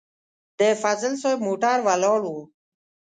د فضل صاحب موټر ولاړ و.